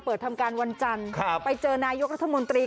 ทำการวันจันทร์ไปเจอนายกรัฐมนตรี